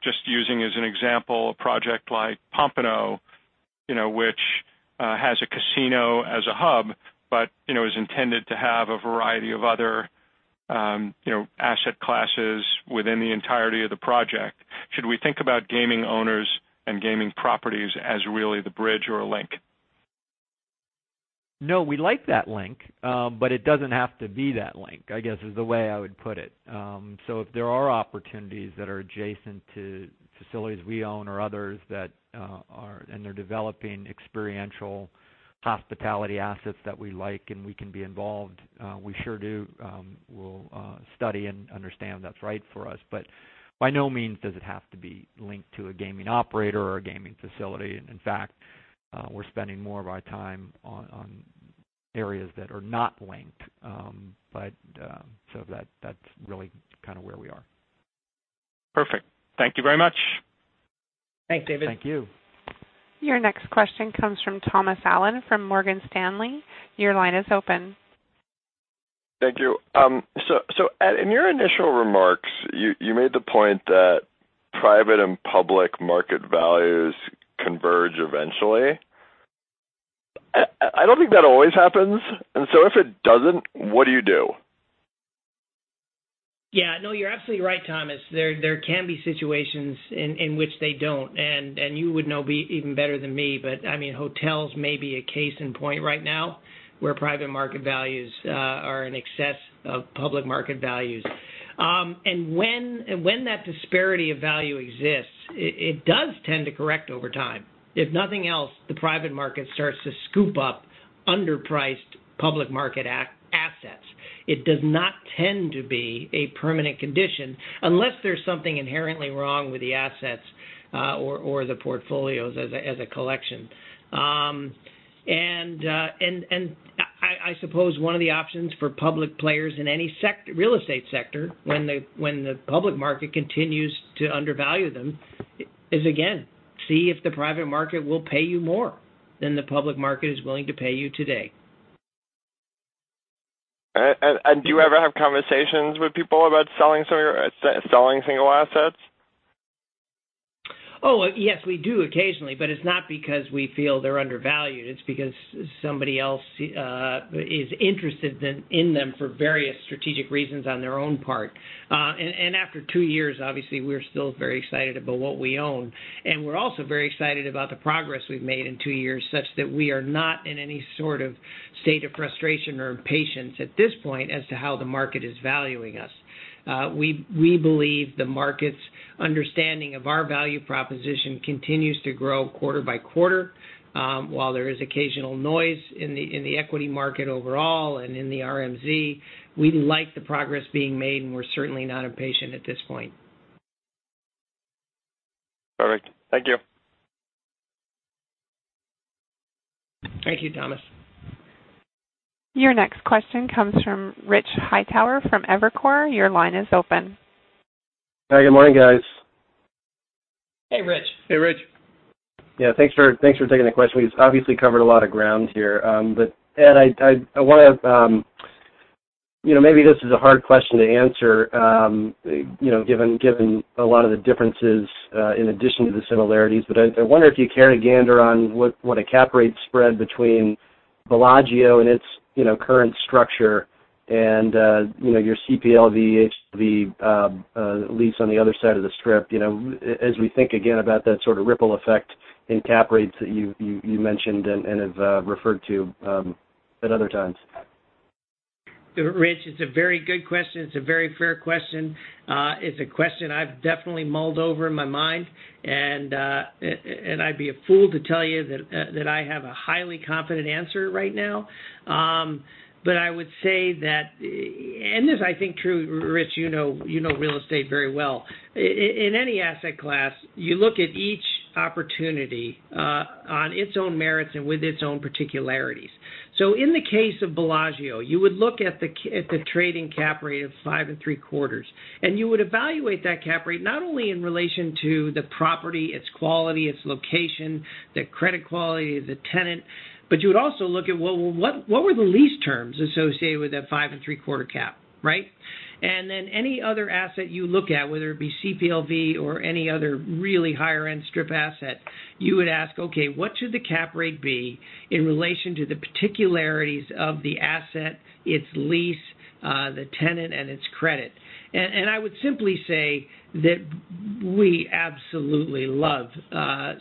Just using as an example, a project like Pompano, which has a casino as a hub, but is intended to have a variety of other asset classes within the entirety of the project. Should we think about gaming owners and gaming properties as really the bridge or a link? We like that link, but it doesn't have to be that link, I guess, is the way I would put it. If there are opportunities that are adjacent to facilities we own or others, and they're developing experiential hospitality assets that we like and we can be involved, we sure do. We'll study and understand that's right for us. By no means does it have to be linked to a gaming operator or a gaming facility. In fact, we're spending more of our time on areas that are not linked. That's really kind of where we are. Perfect. Thank you very much. Thanks, David. Thank you. Your next question comes from Thomas Allen from Morgan Stanley. Your line is open. Thank you. Ed, in your initial remarks, you made the point that private and public market values converge eventually. I don't think that always happens. If it doesn't, what do you do? Yeah, no, you're absolutely right, Thomas. There can be situations in which they don't. You would know even better than me, but hotels may be a case in point right now, where private market values are in excess of public market values. When that disparity of value exists, it does tend to correct over time. If nothing else, the private market starts to scoop up underpriced public market assets. It does not tend to be a permanent condition unless there's something inherently wrong with the assets or the portfolios as a collection. I suppose one of the options for public players in any real estate sector when the public market continues to undervalue them is, again, see if the private market will pay you more than the public market is willing to pay you today. Do you ever have conversations with people about selling single assets? Yes, we do occasionally, but it's not because we feel they're undervalued. It's because somebody else is interested in them for various strategic reasons on their own part. After two years, obviously, we're still very excited about what we own, and we're also very excited about the progress we've made in two years, such that we are not in any sort of state of frustration or impatience at this point as to how the market is valuing us. We believe the market's understanding of our value proposition continues to grow quarter by quarter. While there is occasional noise in the equity market overall and in the RMZ, we like the progress being made, and we're certainly not impatient at this point. Perfect. Thank you. Thank you, Thomas. Your next question comes from Rich Hightower from Evercore. Your line is open. Hi, good morning, guys. Hey, Rich. Hey, Rich. Yeah, thanks for taking the question. We've obviously covered a lot of ground here. Ed, maybe this is a hard question to answer given a lot of the differences in addition to the similarities. I wonder if you care to gander on what a cap rate spread between Bellagio and its current structure and your CPLV lease on the other side of the Strip, as we think again about that sort of ripple effect in cap rates that you mentioned and have referred to at other times. Rich, it's a very good question. It's a very fair question. It's a question I've definitely mulled over in my mind, and I'd be a fool to tell you that I have a highly confident answer right now. I would say that, and as I think, Rich, you know real estate very well. In any asset class, you look at each opportunity on its own merits and with its own particularities. In the case of Bellagio, you would look at the trading cap rate of 5.75, and you would evaluate that cap rate not only in relation to the property, its quality, its location, the credit quality of the tenant, but you would also look at what were the lease terms associated with that 5.75 cap. Right? Any other asset you look at, whether it be CPLV or any other really higher-end Strip asset, you would ask, okay, what should the cap rate be in relation to the particularities of the asset, its lease, the tenant, and its credit? I would simply say that we absolutely love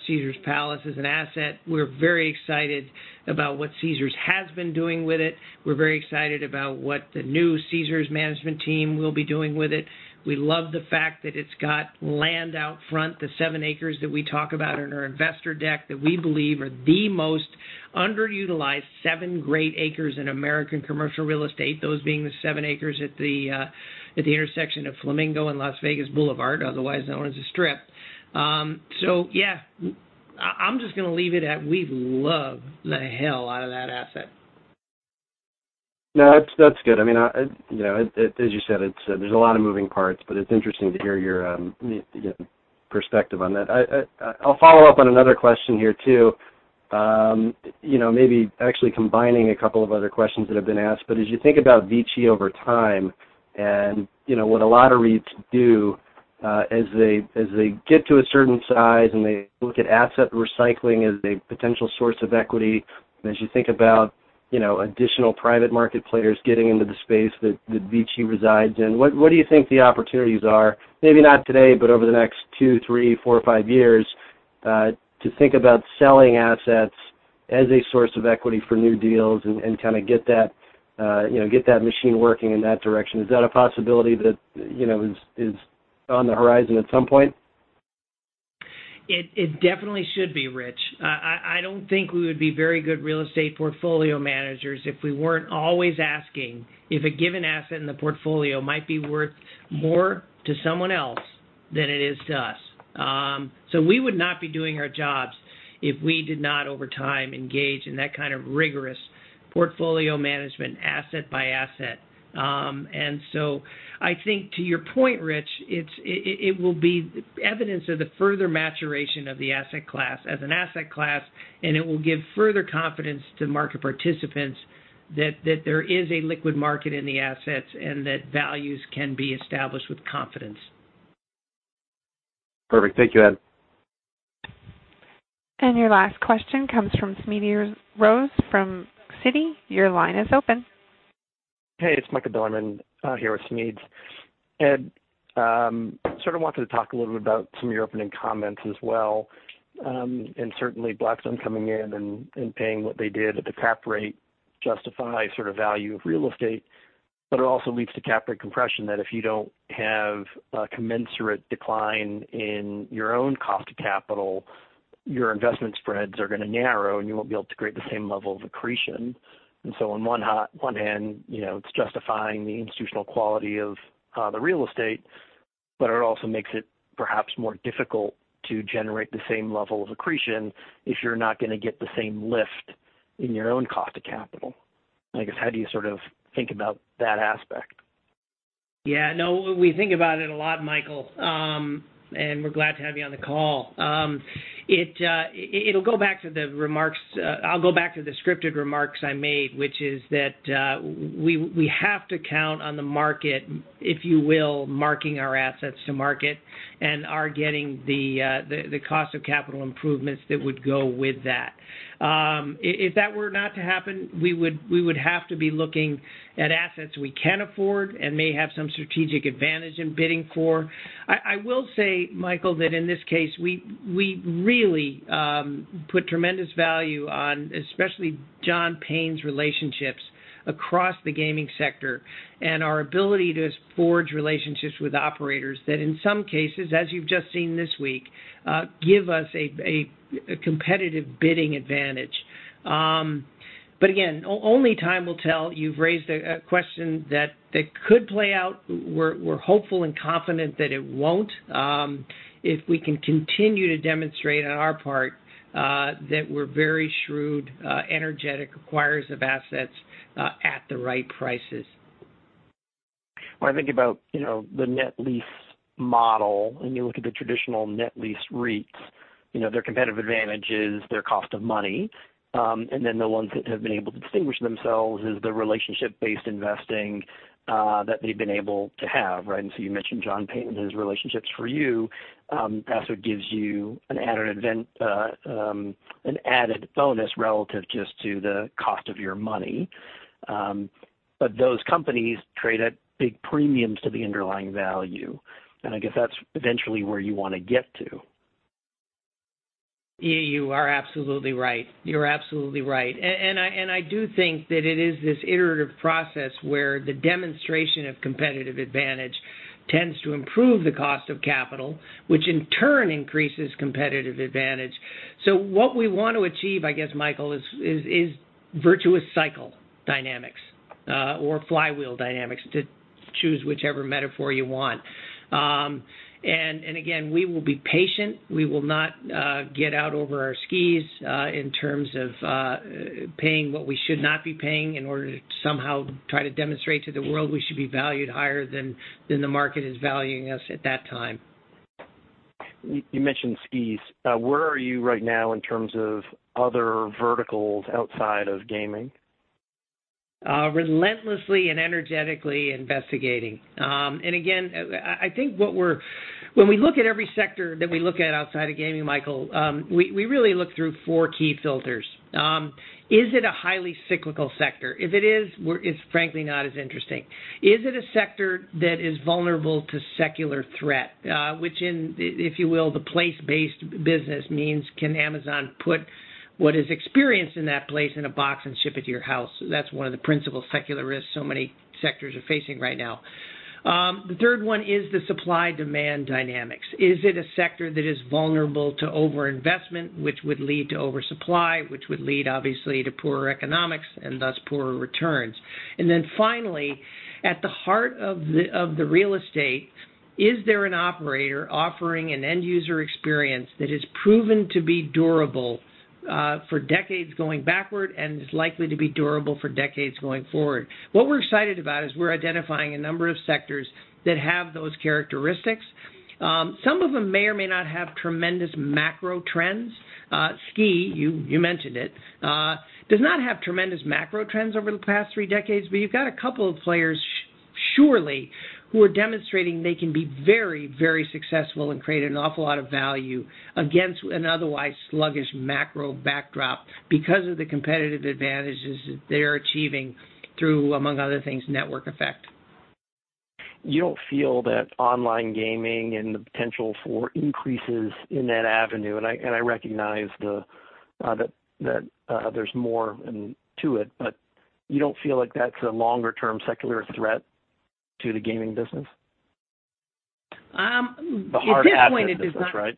Caesars Palace as an asset. We're very excited about what Caesars has been doing with it. We're very excited about what the new Caesars management team will be doing with it. We love the fact that it's got land out front, the seven acres that we talk about in our investor deck that we believe are the most underutilized seven great acres in American commercial real estate, those being the seven acres at the intersection of Flamingo and Las Vegas Boulevard, otherwise known as the Strip. Yeah, I'm just going to leave it at, we love the hell out of that asset. No, that's good. As you said, there's a lot of moving parts, but it's interesting to hear your perspective on that. I'll follow up on another question here too. Maybe actually combining a couple of other questions that have been asked. As you think about VICI over time and, what a lot of REITs do, as they get to a certain size and they look at asset recycling as a potential source of equity, and as you think about additional private market players getting into the space that VICI resides in, what do you think the opportunities are, maybe not today, but over the next two, three, four or five years, to think about selling assets as a source of equity for new deals and get that machine working in that direction? Is that a possibility that is on the horizon at some point? It definitely should be, Rich. I don't think we would be very good real estate portfolio managers if we weren't always asking if a given asset in the portfolio might be worth more to someone else than it is to us. We would not be doing our jobs if we did not, over time, engage in that kind of rigorous portfolio management asset by asset. I think to your point, Rich, it will be evidence of the further maturation of the asset class as an asset class, and it will give further confidence to market participants that there is a liquid market in the assets and that values can be established with confidence. Perfect. Thank you, Ed. Your last question comes from Smedes Rose from Citi. Your line is open. Hey, it's Michael Dorman, here with Smedes. Ed, sort of wanted to talk a little bit about some of your opening comments as well. Certainly Blackstone coming in and paying what they did at the cap rate justifies sort of value of real estate. It also leads to cap rate compression, that if you don't have a commensurate decline in your own cost of capital, your investment spreads are going to narrow, and you won't be able to create the same level of accretion. On one hand, it's justifying the institutional quality of the real estate, but it also makes it perhaps more difficult to generate the same level of accretion if you're not going to get the same lift in your own cost of capital. I guess, how do you sort of think about that aspect? Yeah, no, we think about it a lot, Michael, and we're glad to have you on the call. I'll go back to the scripted remarks I made, which is that we have to count on the market, if you will, marking our assets to market and are getting the cost of capital improvements that would go with that. If that were not to happen, we would have to be looking at assets we can afford and may have some strategic advantage in bidding for. I will say, Michael, that in this case, we really put tremendous value on, especially John Payne's relationships across the gaming sector and our ability to forge relationships with operators that in some cases, as you've just seen this week, give us a competitive bidding advantage. Again, only time will tell. You've raised a question that could play out. We're hopeful and confident that it won't. If we can continue to demonstrate on our part, that we're very shrewd, energetic acquirers of assets at the right prices. When I think about the net lease model, you look at the traditional net lease REITs, their competitive advantage is their cost of money. The ones that have been able to distinguish themselves is the relationship-based investing that they've been able to have. You mentioned John Payne and his relationships for you. That's what gives you an added bonus relative just to the cost of your money. Those companies trade at big premiums to the underlying value, I guess that's eventually where you want to get to. You are absolutely right. I do think that it is this iterative process where the demonstration of competitive advantage tends to improve the cost of capital, which in turn increases competitive advantage. What we want to achieve, I guess, Michael, is virtuous cycle dynamics, or flywheel dynamics, to choose whichever metaphor you want. Again, we will be patient. We will not get out over our skis, in terms of paying what we should not be paying in order to somehow try to demonstrate to the world we should be valued higher than the market is valuing us at that time. You mentioned skis. Where are you right now in terms of other verticals outside of gaming? Relentlessly and energetically investigating. Again, when we look at every sector that we look at outside of gaming, Michael, we really look through four key filters. Is it a highly cyclical sector? If it is, it's frankly not as interesting. Is it a sector that is vulnerable to secular threat? Which in, if you will, the place-based business means can Amazon put what is experienced in that place in a box and ship it to your house? That's one of the principal secular risks so many sectors are facing right now. The third one is the supply-demand dynamics. Is it a sector that is vulnerable to over-investment, which would lead to oversupply, which would lead, obviously, to poorer economics and thus poorer returns? Finally, at the heart of the real estate, is there an operator offering an end-user experience that has proven to be durable for decades going backward and is likely to be durable for decades going forward? What we're excited about is we're identifying a number of sectors that have those characteristics. Some of them may or may not have tremendous macro trends. Ski, you mentioned it, does not have tremendous macro trends over the past three decades, you've got a couple of players, surely, who are demonstrating they can be very successful and create an awful lot of value against an otherwise sluggish macro backdrop because of the competitive advantages that they're achieving through, among other things, network effect. You don't feel that online gaming and the potential for increases in that avenue, and I recognize that there's more to it, but you don't feel like that's a longer-term secular threat to the gaming business? At this point, it does not. The hard asset business, right?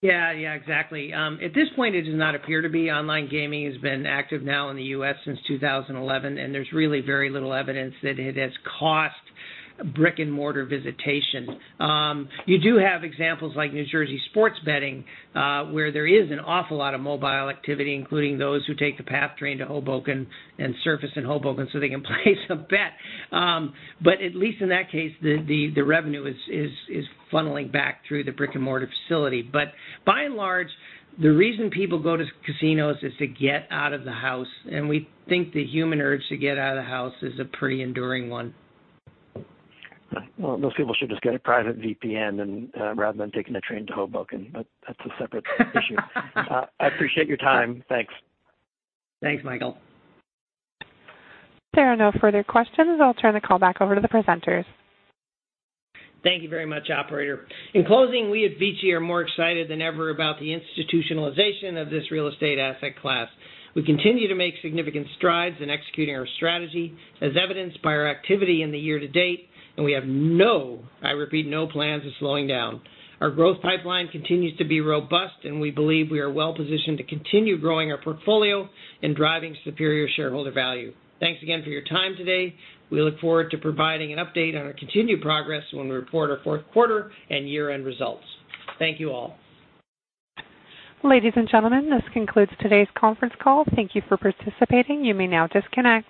Yeah, exactly. At this point, it does not appear to be. Online gaming has been active now in the U.S. since 2011, there's really very little evidence that it has cost brick-and-mortar visitation. You do have examples like New Jersey sports betting, where there is an awful lot of mobile activity, including those who take the PATH train to Hoboken and surface in Hoboken so they can place a bet. At least in that case, the revenue is funneling back through the brick-and-mortar facility. By and large, the reason people go to casinos is to get out of the house, we think the human urge to get out of the house is a pretty enduring one. Those people should just get a private VPN rather than taking a train to Hoboken, but that's a separate issue. I appreciate your time. Thanks. Thanks, Michael. There are no further questions. I'll turn the call back over to the presenters. Thank you very much, operator. In closing, we at VICI are more excited than ever about the institutionalization of this real estate asset class. We continue to make significant strides in executing our strategy, as evidenced by our activity in the year to date, and we have no, I repeat, no plans of slowing down. Our growth pipeline continues to be robust, and we believe we are well-positioned to continue growing our portfolio and driving superior shareholder value. Thanks again for your time today. We look forward to providing an update on our continued progress when we report our fourth quarter and year-end results. Thank you all. Ladies and gentlemen, this concludes today's conference call. Thank you for participating. You may now disconnect.